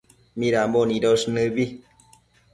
midambo nidosh nëbi